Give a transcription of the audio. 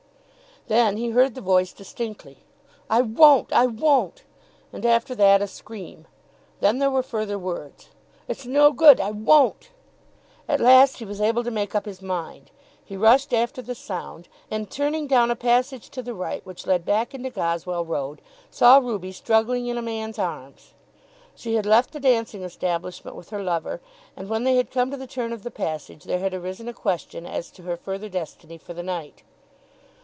Then he heard the voice distinctly, "I won't; I won't," and after that a scream. Then there were further words. "It's no good I won't." At last he was able to make up his mind. He rushed after the sound, and turning down a passage to the right which led back into Goswell Road, saw Ruby struggling in a man's arms. She had left the dancing establishment with her lover; and when they had come to the turn of the passage, there had arisen a question as to her further destiny for the night.